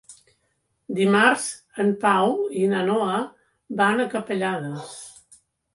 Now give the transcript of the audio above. Dimarts en Pau i na Noa van a Capellades.